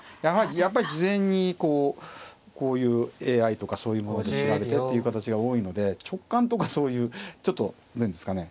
やっぱり事前にこういうＡＩとかそういうもので調べてっていう形が多いので直感とかそういうちょっとどういうんですかね